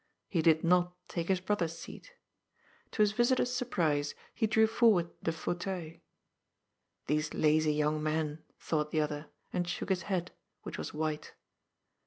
He did not take his brother's seat. To his visitor's surprise he drew forward THE CATASTROPHE. 393 the f auteuil. " These lazy young men !" thought the other, and shook his head, which was white.